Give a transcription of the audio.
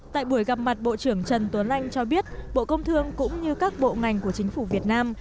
tại buổi gặp mặt bộ trưởng trần tuấn anh cho biết bộ công thương cũng như các bộ ngành của chính phủ việt nam